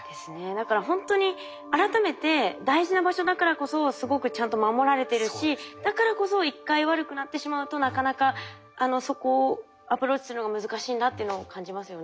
だからほんとに改めて大事な場所だからこそすごくちゃんと守られてるしだからこそ一回悪くなってしまうとなかなかそこをアプローチするのが難しいんだっていうのを感じますよね。